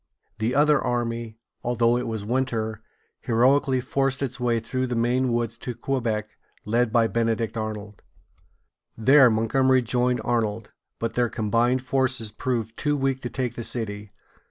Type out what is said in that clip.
The other army, although it was winter, heroically forced its way through the Maine woods to Quebec, led by Benedict Arnold. There Montgomery joined Arnold; but their combined forces proved too weak to take the city.